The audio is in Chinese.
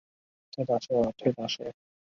迷离报春为报春花科报春花属下的一个种。